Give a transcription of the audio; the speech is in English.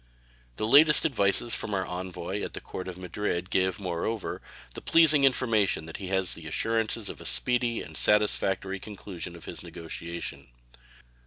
The latest advices from our envoy at the Court of Madrid give, moreover, the pleasing information that he had assurances of a speedy and satisfactory conclusion of his negotiation.